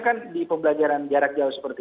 kan di pembelajaran jarak jauh seperti